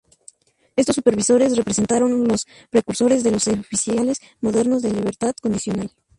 Estos "supervisores" representaron los precursores de los oficiales modernos de libertad condicional.